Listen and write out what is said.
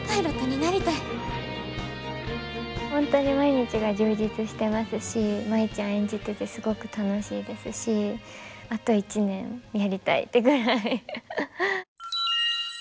本当に毎日が充実してますし舞ちゃん演じててすごく楽しいですしあと１年やりたいってぐらいハハハ。